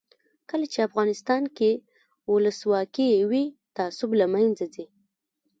کله چې افغانستان کې ولسواکي وي تعصب له منځه ځي.